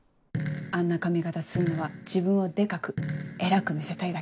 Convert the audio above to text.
あんな髪形すんのは自分をデカく偉く見せたいだけ。